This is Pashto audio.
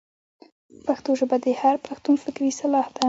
پښتو ژبه د هر پښتون فکري سلاح ده.